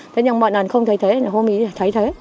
thế nhưng mọi lần không thấy thế hôm ấy thấy thế